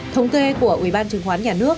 thống kê của ubnd